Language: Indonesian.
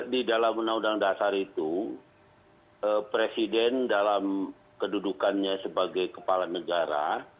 di dalam undang undang dasar itu presiden dalam kedudukannya sebagai kepala negara